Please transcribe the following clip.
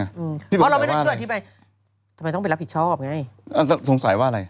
เพราะเราไม่ได้ช่วยอธิบายทำไมต้องไปรับผิดชอบไงสงสัยว่าอะไร